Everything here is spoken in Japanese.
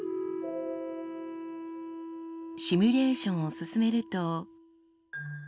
シミュレーションを進めると。